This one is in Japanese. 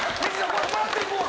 これもらっていくわ。